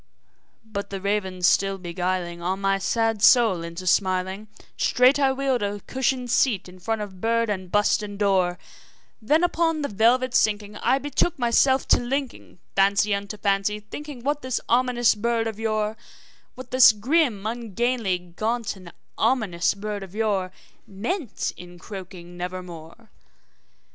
"' But the raven still beguiling all my sad soul into smiling, Straight I wheeled a cushioned seat in front of bird and bust and door; Then, upon the velvet sinking, I betook myself to linking Fancy unto fancy, thinking what this ominous bird of yore What this grim, ungainly, ghastly, gaunt, and ominous bird of yore Meant in croaking `Nevermore.'